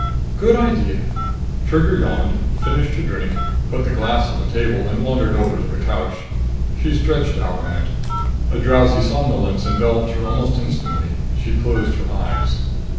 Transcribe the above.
"Good idea." Trigger yawned, finished her drink, put the glass on a table, and wandered over to the couch. She stretched out on it. A drowsy somnolence enveloped her almost instantly. She closed her eyes.